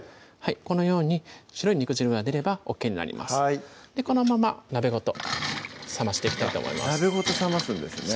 このように白い肉汁が出ればＯＫになりますこのまま鍋ごと冷ましていきたいと思います鍋ごと冷ますんですね